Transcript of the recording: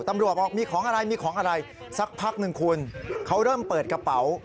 ตำรวจบอกมีของอะไรมีของอะไรสักพักหนึ่งคุณเขาเริ่มเปิดกระเป๋า